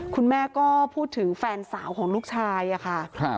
คุณแม่ก็พูดถึงแฟนสาวของลูกชายอะค่ะ